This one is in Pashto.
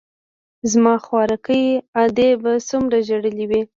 زما خواركۍ ادې به څومره ژړلي وي.